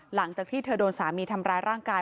หลังจากที่เธอโดนสามีทำร้ายร่างกาย